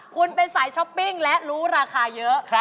คุณเป็นสายช้อปปิ้งและรู้ราคาเยอะ